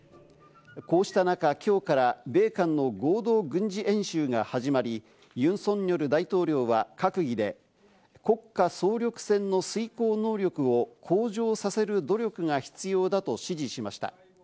こうした中、きょうから米韓の合同軍事演習が始まり、ユン・ソンニョル大統領は閣議で国家総力戦の遂行能力を向上させる努力が必要だと指示しました。